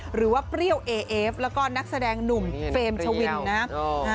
หรือว่าเปรี้ยวเอเอฟและก็นักแสดงหนุ่มเฟรมชะวิน